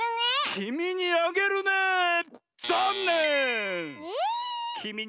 「きみにあげるね」ざんねん！